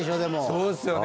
そうですよね